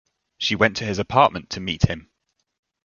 She went to his apartment to meet him.